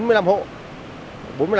để tạo chỗ ở